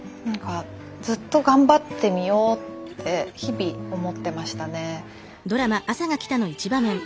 ずっと頑張ってみようって日々思ってましたね。